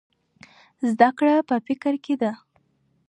زده کړه په فکر کې ده.